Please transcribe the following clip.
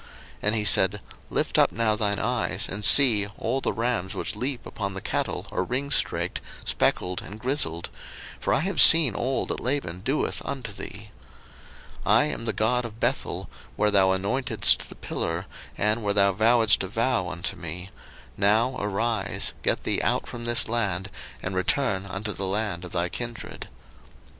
01:031:012 And he said, Lift up now thine eyes, and see, all the rams which leap upon the cattle are ringstraked, speckled, and grisled: for I have seen all that Laban doeth unto thee. 01:031:013 I am the God of Bethel, where thou anointedst the pillar, and where thou vowedst a vow unto me: now arise, get thee out from this land, and return unto the land of thy kindred.